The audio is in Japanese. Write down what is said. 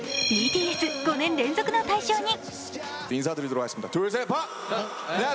ＢＴＳ、５年連続の大賞に。